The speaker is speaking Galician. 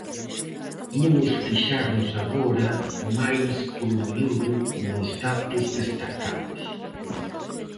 Imos fixarnos agora máis polo miúdo nos datos destacados.